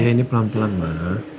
ini pelan pelan mbak